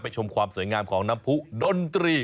ชมความสวยงามของน้ำผู้ดนตรี